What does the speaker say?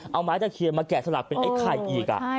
เอาไม้ตะเคียนมาแกะสลักเป็นไอ้ไข่อีก